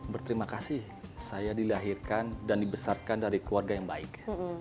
berterima kasih saya dilahirkan dan dibesarkan dari keluarga yang baik